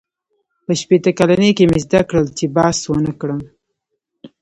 • په شپېته کلنۍ کې مې زده کړل، چې بحث ونهکړم.